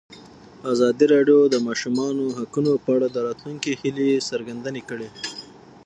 ازادي راډیو د د ماشومانو حقونه په اړه د راتلونکي هیلې څرګندې کړې.